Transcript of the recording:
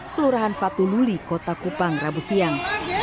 kelurahan fatululi kota kupang rabu siang